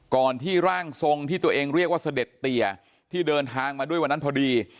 ที่ร่างทรงที่ตัวเองเรียกว่าเสด็จเตียที่เดินทางมาด้วยวันนั้นพอดี